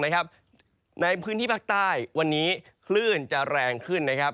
ในพื้นที่พลักษณ์ใต้วันนี้คลื่นจะแรงขึ้น